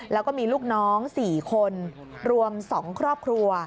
แล้วก็มีลูกน้อง๔คนรวม๒ครอบครัว